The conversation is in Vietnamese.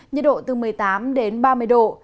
nhiệt độ từ một mươi tám đến ba mươi độ